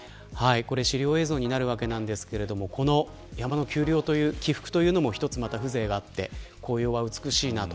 資料映像ですが山の丘陵という起伏というのも一つ風情があって紅葉は美しいなと。